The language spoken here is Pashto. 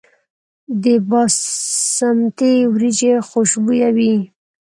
د باسمتي وریجې خوشبويه وي.